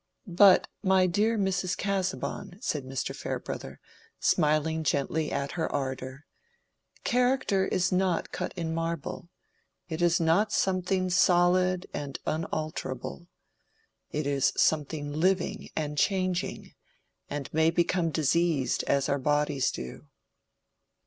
"But, my dear Mrs. Casaubon," said Mr. Farebrother, smiling gently at her ardor, "character is not cut in marble—it is not something solid and unalterable. It is something living and changing, and may become diseased as our bodies do."